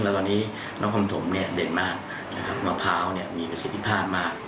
แล้วตอนนี้น้องคมถุมเด่นมากมะพร้าวมีประสิทธิภาพมาก